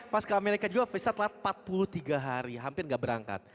pas ke amerika juga visa telat empat puluh tiga hari hampir nggak berangkat